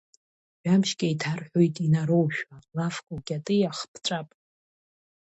Жәабжьк еиҭарҳәоит инароушәа, лафк укьатеиах ԥҵәап…